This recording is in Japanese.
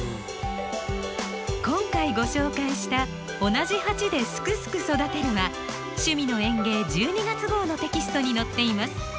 今回ご紹介した「同じ鉢ですくすく育てる」は「趣味の園芸」１２月号のテキストに載っています。